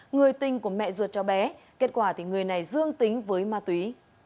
người tình của mẹ ruột cho bé kết quả thì người này dương tính với ma túy